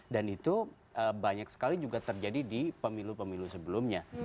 dan itu banyak sekali juga terjadi di pemilu pemilu sebelumnya